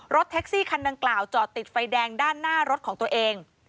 รถแท็กซี่คันดังกล่าวจอดติดไฟแดงด้านหน้ารถของตัวเอง